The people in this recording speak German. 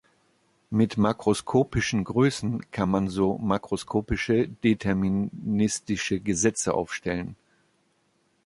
Mit makroskopischen Größen kann man so makroskopische, deterministische Gesetze aufstellen.